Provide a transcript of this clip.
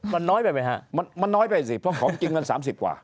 มันน้อยไปไหมฮะมันน้อยไปสิเพราะของจริงมัน๓๐กว่า